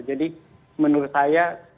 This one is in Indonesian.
jadi menurut saya